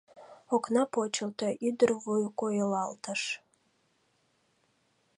Окна почылто — ӱдыр вуй койылалтыш.